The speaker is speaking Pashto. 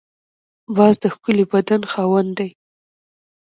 باز د ښکلي بدن خاوند دی